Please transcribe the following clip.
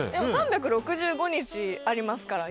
３６５日ありますから。